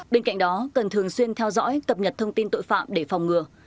bên cạnh đó cần thường xuyên theo dõi cập nhật thông tin tội phạm để phòng ngừa